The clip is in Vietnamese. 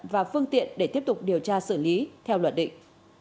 và phương tiện để tiếp tục điều tra xử lý theo luật định